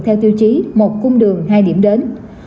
theo tiêu chí một cung đường hai điểm đến